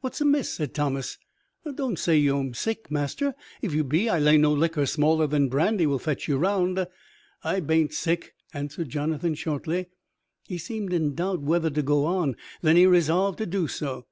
"What's amiss?" said Thomas. "Don't say you'm sick, master. And if you be, I lay no liquor smaller than brandy will fetch you round." "I ban't sick," answered Jonathan shortly. He seemed in doubt whether to go on. Then he resolved to do so.